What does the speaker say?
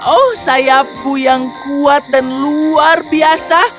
oh sayapku yang kuat dan luar biasa